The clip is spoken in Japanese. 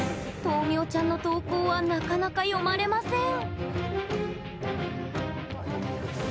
豆苗ちゃんの投稿はなかなか読まれません。